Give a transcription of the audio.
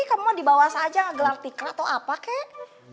kamu mau di bawah saja gak gelar tikrat atau apa kek